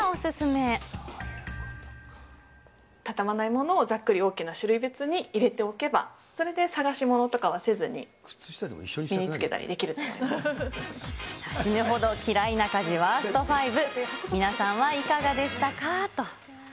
畳まないものをざっくり大きな種類別に入れておけば、それで探し物とかはせずに、死ぬほど嫌いな家事、ワースト５、皆さんはいかがでしたかと。